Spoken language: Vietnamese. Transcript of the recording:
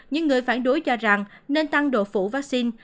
những người phản đối cho rằng nên tăng độ phủ vắc xin